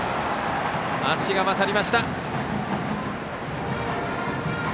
足が勝りました。